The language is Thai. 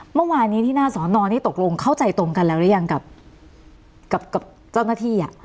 เมื่อวานนี้ที่หน้าสอนอนี่ตกลงเข้าใจตรงกันแล้วหรือยังกับเจ้าหน้าที่อ่ะ